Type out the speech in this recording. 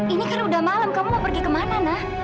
ini kan udah malam kamu mau pergi kemana nak